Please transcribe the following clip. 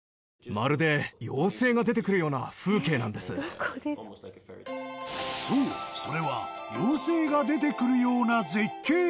その駅とはそう、それは妖精が出てくるような絶景駅！